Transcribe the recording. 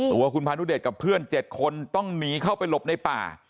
ตัวคุณพานุเดชกับเพื่อน๗คนต้องหนีเข้าไปหลบในป่า